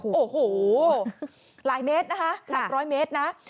โอ้โฮหลายเมตรนะคะ๑๐๐เมตรนะ